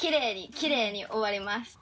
きれいに終わります。